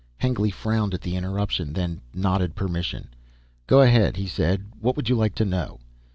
Hengly frowned at the interruption, then nodded permission. "Go ahead," he said. "What would you like to know?"